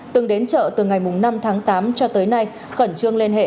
từng đến chợ từ ngày năm tháng tám cho tới nay khẩn trương liên hệ